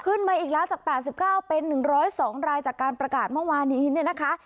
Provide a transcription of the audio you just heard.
ขึ้นมาอีกแล้วจาก๘๙เป็น๑๐๒รายจากการประกาศเมื่อวานนี้เนี่ยนะคะ